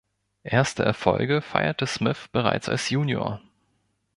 Erste Erfolge feierte Smith bereits als Junior.